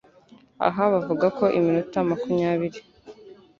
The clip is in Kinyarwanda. Aha bavuga ko iminota makumyabiri